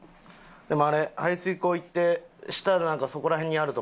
でもあれ排水口いってそしたらなんかそこら辺にあると思うやん？